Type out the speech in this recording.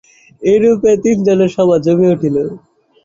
এইরূপে তিনজনের সভা জমিয়া উঠিল।